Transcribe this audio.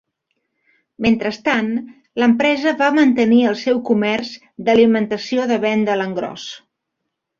Mentrestant, l'empresa va mantenir el seu comerç d'alimentació de venda a l'engròs.